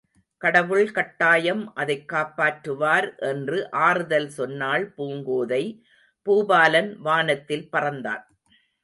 கடவுள் கட்டாயம் அதைக் காப்பாற்றுவார் என்று ஆறுதல் சொன்னாள் பூங்கோதை, பூபாலன் வானத்தில் பறந்தான்.